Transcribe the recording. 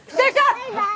バイバイ。